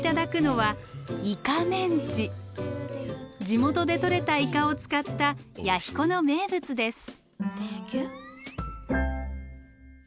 地元でとれたイカを使った弥彦の名物です。